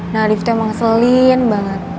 nadif tuh emang selin banget